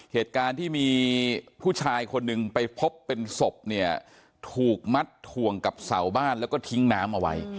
เหตุการณ์ที่มีผู้ชายคนหนึ่งไปพบเป็นศพเนี่ยถูกมัดถ่วงกับเสาบ้านแล้วก็ทิ้งน้ำเอาไว้